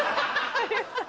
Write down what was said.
有吉さん